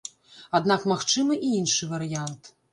Аднак магчымы і іншы варыянт.